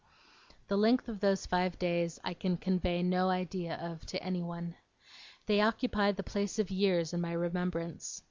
The length of those five days I can convey no idea of to any one. They occupy the place of years in my remembrance.